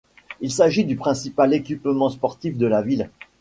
Il s'agit du principal équipement sportif de la ville.